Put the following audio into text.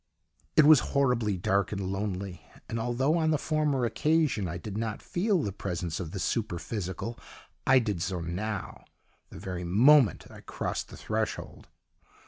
It was horribly dark and lonely, and although on the former occasion I did not feel the presence of the superphysical, I did so now, the very moment I crossed the threshold.